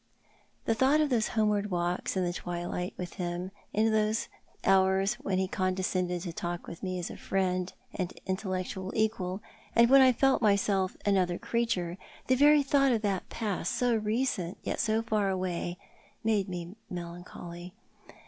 The thought of those homeward walks in the twilight with him, in those hours when he condescended to talk with me as a friend and intellectual equal, and when I felt myseli another creature— the very thought of that past, so recent, yet so far away, made me melancholy.